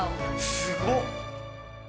すごっ！